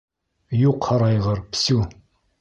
Юҡ һарайғыр, псю!